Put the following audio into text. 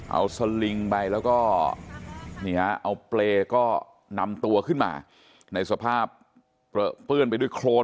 เอาสลิงไปแล้วก็เอาเปรย์ก็นำตัวขึ้นมาในสภาพเปลือเปื้อนไปด้วยโครน